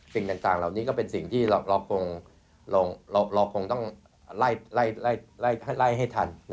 สิ่งต่างเหล่านี้ก็เป็นสิ่งที่เราคงต้องไล่ให้ทัน